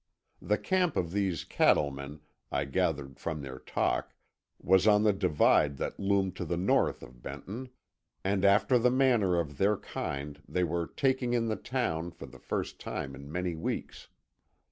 The camp of these cattlemen, I gathered from their talk, was on the divide that loomed to the north of Benton, and after the manner of their kind they were "taking in the town" for the first time in many weeks.